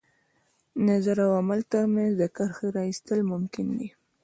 د نظر او عمل تر منځ د کرښې را ایستل ممکن دي.